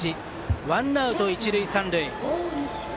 ワンアウト、一塁三塁。